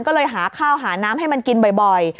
ก็เลยหาข้าวหาน้ำให้มันกินบ่อย